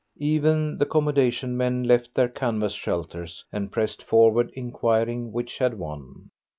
Even the 'commodation men left their canvas shelters and pressed forward inquiring which had won.